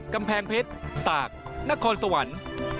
กำแพงเพชรตากนครสวรรค์